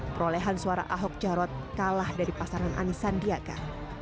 perolehan suara ahok jarot kalah dari pasaran ani sandiaga